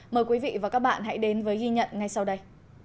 mời quý vị và các bạn hãy đến với ghi nhận ngay sau đây